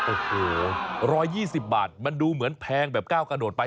โอ้โห๑๒๐บาทมันดูเหมือนแพงแบบก้าวกระโดดไป